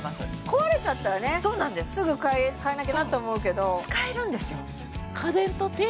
壊れちゃったらねすぐ替えなきゃなって思うけどそう使えるんですよ